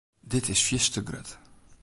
Dit is fierste grut.